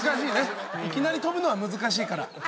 いきなり跳ぶのは難しいから。